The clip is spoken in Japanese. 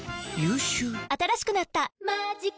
新しくなった「マジカ」